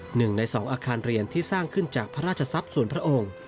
หนึ่งในสองอาคารเรียนที่สร้างขึ้นจากพระราชทรัพย์ส่วนพระองค์